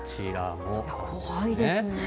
怖いですよね。